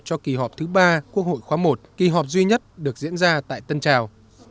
cho kỳ họp thứ ba quốc hội khóa i kỳ họp duy nhất được diễn ra tại tân trào